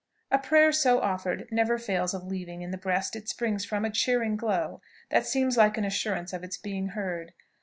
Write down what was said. A prayer so offered never fails of leaving in the breast it springs from a cheering glow, that seems like an assurance of its being heard.